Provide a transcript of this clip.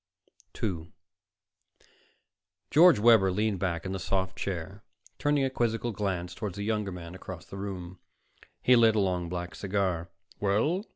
2 George Webber leaned back in the soft chair, turning a quizzical glance toward the younger man across the room. He lit a long black cigar. "Well?"